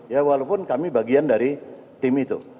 ya walaupun kami bagian dari tim itu